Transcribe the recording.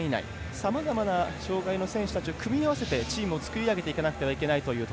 さまざまな障がいの選手たちを組み合わせてチームを組み上げていかなければいけません。